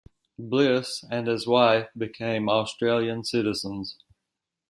Bliss and his wife became Australian citizens.